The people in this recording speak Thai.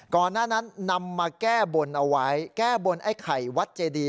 ก่อนหน้านั้นนำมาแก้บนเอาไว้แก้บนไอ้ไข่วัดเจดี